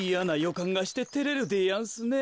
かんがしててれるでやんすねえ。